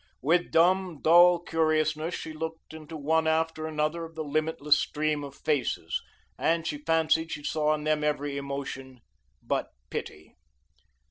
With dumb, dull curiousness, she looked into one after another of the limitless stream of faces, and she fancied she saw in them every emotion but pity.